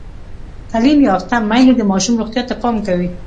تعلیم یافته میندې د ماشوم روغتیا ته پام کوي۔